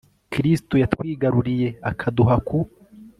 kristu yatwigaruriye akaduha ku